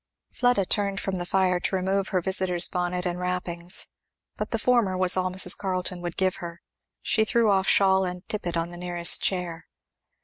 Fleda turned from the fire to remove her visitor's bonnet and wrappings, but the former was all Mrs. Carleton would give her; she threw off shawl and tippet on the nearest chair.